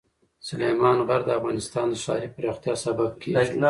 سلیمان غر د افغانستان د ښاري پراختیا سبب کېږي.